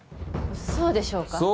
そうでしょうか？